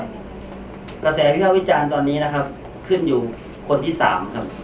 ถูกต้องครับระแสวิทยาวิจารณ์ตอนนี้นะครับขึ้นอยู่คนที่สามครับ